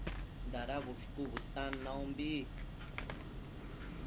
Dada bushcu bëtan naumbi